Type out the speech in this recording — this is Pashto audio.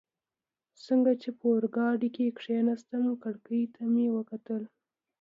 څنګه چي په اورګاډي کي کښېناستم، کړکۍ ته مې وکتل.